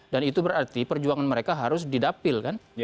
dan itu berarti perjuangan mereka harus didapil kan